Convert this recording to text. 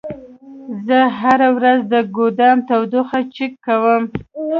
زه هره ورځ د ګودام تودوخه چک کوم.